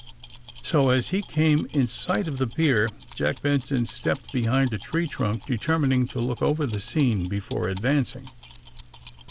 So, as he came in sight of the pier Jack Ben son stepped behind a tree trunk determining to look over the scene before advancing.